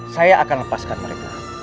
saya akan lepaskan mereka